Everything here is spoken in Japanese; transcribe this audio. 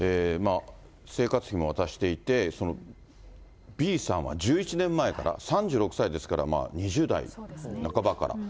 生活費も渡していて、Ｂさんは１１年前から、３６歳ですから２０代半ばから。